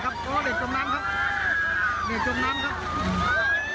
ข้ามน้้ำข้ามน้้ำข้ามน้้ำข้ามน้้ำ